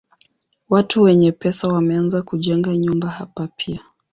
Watu wenye pesa wameanza kujenga nyumba hapa pia.